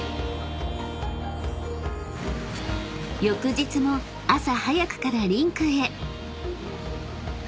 ［翌日も朝早くからリンクへ］